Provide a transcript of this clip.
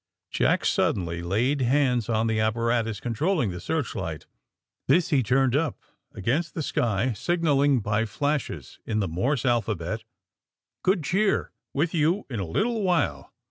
Jack suddenly laid hands on the apparatus controlling the searchlight. This he turned up against the sky, signaling by flashes, in the Morse alphabet: ^^Good cheer. With you in a little while.